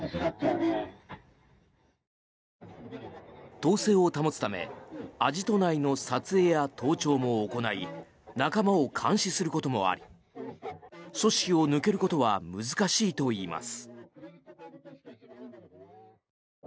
統制を保つためアジト内の撮影や盗聴も行い仲間を監視することもあり組織を抜けることは難しいといいます。